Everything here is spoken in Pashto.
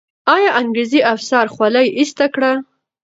آیا انګریزي افسر خولۍ ایسته کړه؟